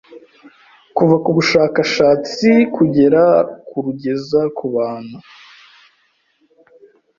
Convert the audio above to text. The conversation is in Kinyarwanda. kuva ku bushakashatsi kugera ku kurugeza ku bantu,